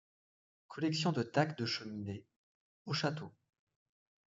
Collections de taques de cheminée au château.